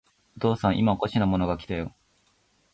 お父さん、いまおかしなものが来たよ。